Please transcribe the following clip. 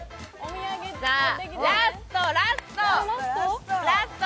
さあ、ラスト、ラスト。